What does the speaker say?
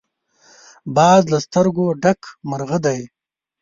باز له سترګو ډک مرغه دی